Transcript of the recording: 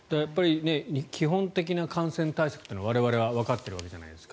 基本的な感染対策というのは我々はわかっているじゃないですか。